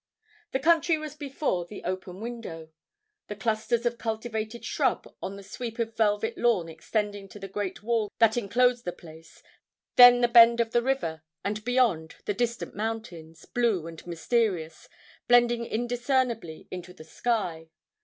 The country was before the open window; the clusters of cultivated shrub on the sweep of velvet lawn extending to the great wall that inclosed the place, then the bend of the river and beyond the distant mountains, blue and mysterious, blending indiscernibly into the sky.